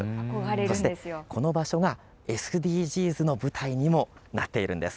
そしてこの場所がＳＤＧｓの舞台にもなっているんです。